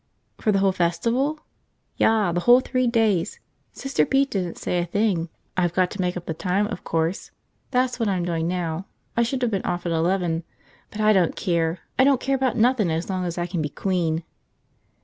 "For the whole Festival?" "Ya, the whole three days! Sister Pete didn't say a thing. I've got to make up the time, of course. That's what I'm doing now, I should of been off at eleven. But I don't care! I don't care about nothin' as long as I can be queen!"